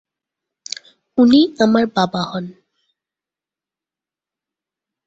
উনি আমার বাবা হন।